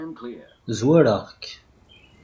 Zwareɣ-k.